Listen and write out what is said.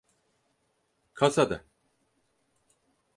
Kasada…